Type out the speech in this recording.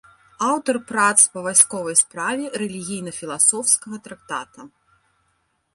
Аўтар прац па вайсковай справе, рэлігійна-філасофскага трактата.